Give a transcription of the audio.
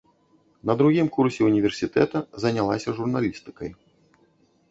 На другім курсе ўніверсітэта занялася журналістыкай.